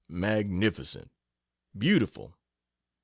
magnificent! Beautiful!